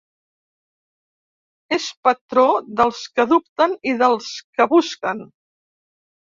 És patró dels que dubten i dels que busquen.